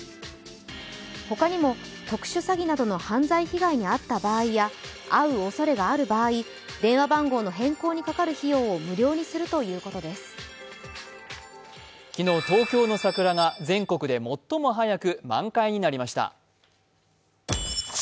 ほかにも特殊詐欺などの犯罪被害に遭った場合や遭うおそれがある場合、電話番号の変更にかかる費用を昨日、東京の桜が全国で最も早く満開になりました。